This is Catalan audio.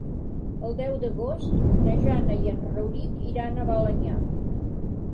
El deu d'agost na Jana i en Rauric iran a Balenyà.